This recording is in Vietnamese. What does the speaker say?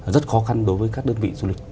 rất khó khăn đối với các đơn vị du lịch